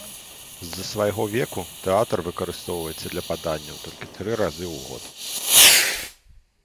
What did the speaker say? З-за свайго веку, тэатр выкарыстоўваецца для паданняў толькі тры разу ў год.